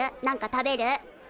何か食べる？